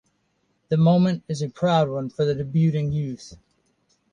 The moment is a proud one for the debuting youth.